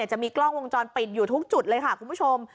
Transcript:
จะมีกล้องวงจรปิดอยู่ทุกจุดเลยค่ะคุณผู้ชม